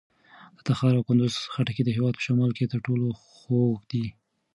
د تخار او کندوز خټکي د هېواد په شمال کې تر ټولو خوږ دي.